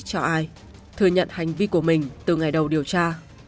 cho ai thừa nhận hành vi của mình từ ngày đầu điều tra